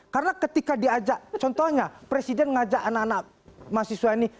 karena ketika diajak contohnya presiden mengajak anak anak mahasiswa ini